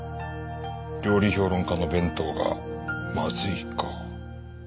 料理評論家の弁当がまずいか。